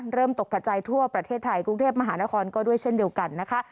ตกกระจายทั่วประเทศไทยกรุงเทพมหานครก็ด้วยเช่นเดียวกันนะคะ